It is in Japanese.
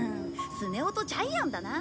スネ夫とジャイアンだな。